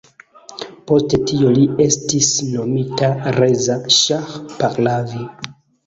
Post tio li estis nomita Reza Ŝah Pahlavi.